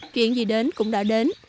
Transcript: chuyện gì đến cũng đã đến